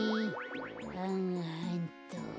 はんはんっと。